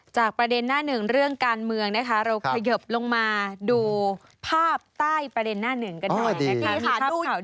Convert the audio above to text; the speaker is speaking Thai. จากประเด็นหน้าหนึ่งเรื่องการเมืองเราขยรปลงมาดูภาพใต้ประเด็นหน้าหนึ่งกันแหล่ง